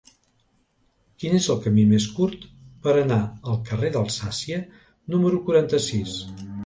Quin és el camí més curt per anar al carrer d'Alsàcia número quaranta-sis?